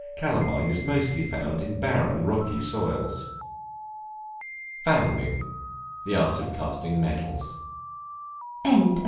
Calamine is mostly found in barren, rocky soils. Founding, the art of casting metals. CHAPTER XI.